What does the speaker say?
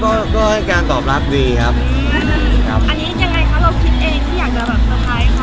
อันนี้ยังไงครับเราคิดเองที่อยากจะแบบสะพายเขา